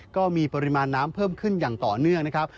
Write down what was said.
ก็มีปริมาณน้ำเพิ่มขึ้นอย่างต่อเนื่องนะครับ